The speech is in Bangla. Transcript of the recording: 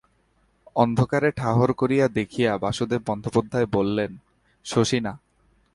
অন্ধকারে ঠাহর করিয়া দেখিয়া বাসুদেব বন্দ্যোপাধ্যায় বলেন, শশী না?